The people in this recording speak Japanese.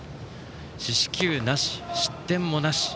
四死球なし、失点もなし。